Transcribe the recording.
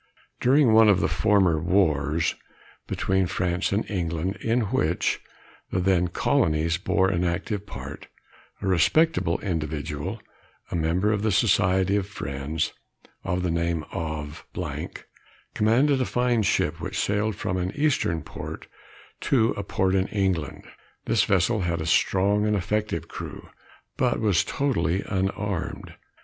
During one of the former wars, between France and England, in which the then Colonies bore an active part, a respectable individual, a member of the society of Friends, of the name of , commanded a fine ship which sailed from an Eastern port, to a port in England. This vessel had a strong and effective crew, but was totally unarmed.